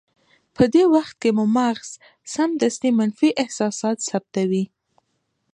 په دې وخت کې مو مغز سمدستي منفي احساسات ثبتوي.